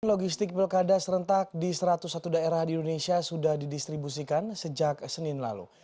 logistik pilkada serentak di satu ratus satu daerah di indonesia sudah didistribusikan sejak senin lalu